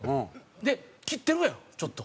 で切ってるやんちょっと。